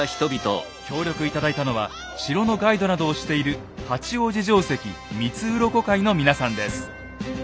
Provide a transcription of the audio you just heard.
協力頂いたのは城のガイドなどをしている八王子城跡三ッ鱗会の皆さんです。